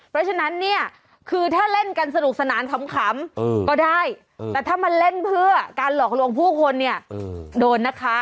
เพราะฉะนั้นเนี่ยคือถ้าเล่นกันสนุกสนานขำก็ได้แต่ถ้ามันเล่นเพื่อการหลอกลวงผู้คนเนี่ยโดนนะคะ